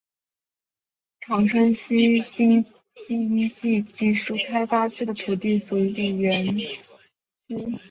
长春西新经济技术开发区的土地属于绿园区。